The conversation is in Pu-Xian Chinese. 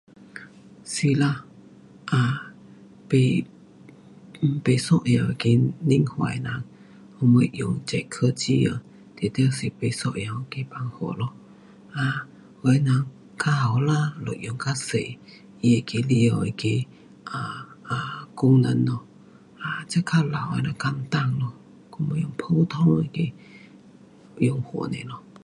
是啦，啊，不，不一样那个年岁的人我们用这科技呃，定得是不一样那个办法咯，有的人较年轻就用较多它那个，里下那个啊啊功能咯，啊，这较老的就用简单的，我们用普通那个用法尔咯。